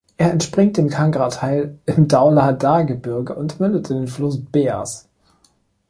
Er entspringt im Kangra-Tal im Dhauladhar-Gebirge und mündet in den Fluss Beas.